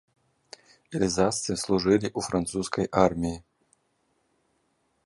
Эльзасцы служылі ў французскай арміі.